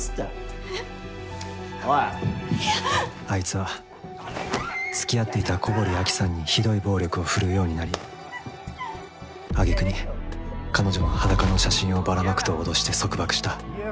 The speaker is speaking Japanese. あいつは付き合っていた古堀アキさんにひどい暴力を振るうようになり揚げ句に彼女の裸の写真をばらまくと脅して束縛した。